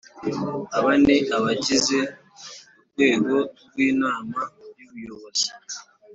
aba ni abagize Urwego rw’Inama y’Ubuyobozi